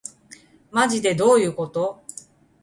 まじでどういうこと